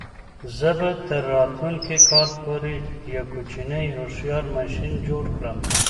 زه به تر راتلونکي کال پورې یو کوچنی هوښیار ماشین جوړ کړم.